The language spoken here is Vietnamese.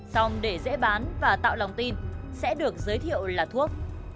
xong để dễ bán và tạo lòng tin sẽ được giới thiệu là thuốc